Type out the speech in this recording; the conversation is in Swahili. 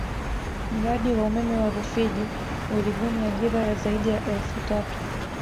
Mradi wa umeme wa Rufiji ulibuni ajira ya zaidi ya elfu tatu